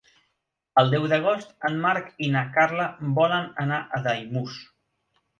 El deu d'agost en Marc i na Carla volen anar a Daimús.